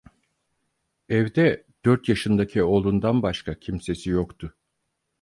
Evde dört yaşındaki oğlundan başka kimsesi yoktu.